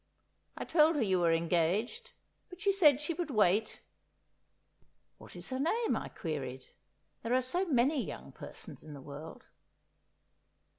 I told her you were engaged, but she said she would wait." "What is her name?" I queried; there are so many young persons in the world.